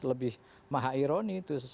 lebih maha ironi